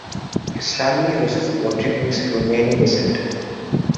His family was of Portuguese Romani descent.